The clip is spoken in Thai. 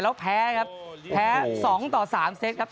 แล้วแพ้ครับแพ้๒ต่อ๓เซตครับ